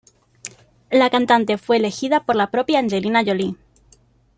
La cantante fue elegida por la propia Angelina Jolie.